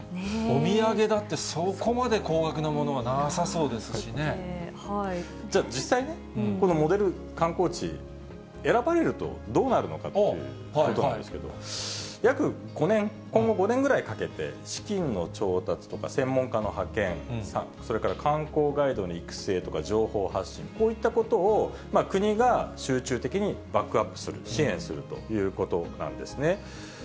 お土産だって、そこまで高額じゃあ、実際ね、このモデル観光地、選ばれるとどうなるのかということなんですけれども、約５年、今後５年ぐらいかけて、資金の調達とか、専門家の派遣、それから観光ガイドの育成とか、情報発信、こういったことを国が集中的にバックアップする、支援するということなんですね。